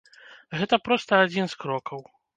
Гэта проста адзін з крокаў.